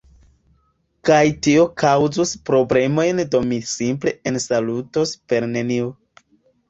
Kaj tio kaŭzus problemojn do mi simple ensalutos per nenio.